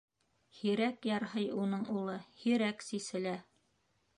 Һирәк ярһый уның улы, һирәк сиселә.